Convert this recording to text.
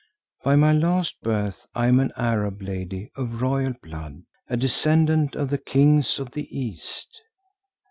"By my last birth I am an Arab lady of royal blood, a descendant of the Kings of the East.